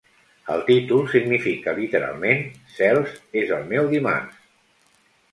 El títol significa literalment: Cels, és el meu dimarts!